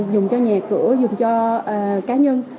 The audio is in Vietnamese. dùng cho nhà cửa dùng cho cá nhân